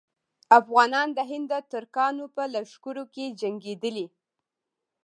افغانان د هند د ترکانو په لښکرو کې جنګېدلي.